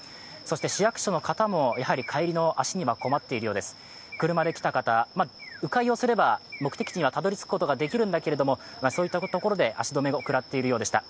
市役所の方も帰りの足に困っているようです、車で来た方う回すれば目的地にたどり着けるんだけども、そういったところで足止めを食らっているようでした。